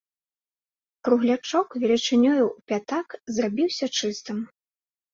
Круглячок велічынёю ў пятак зрабіўся чыстым.